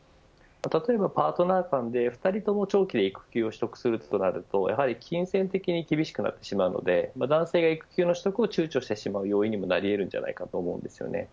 例えば、パートナー間で２人とも長期で育休を取得するとなると金銭的に厳しくなってしまうので男性が育休の取得をちゅうちょしてしまう要因になり得ると思います。